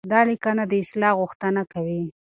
دا ليکنه د اصلاح غوښتنه کوي.